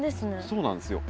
そうなんですよ。